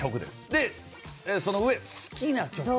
でその上好きな曲です。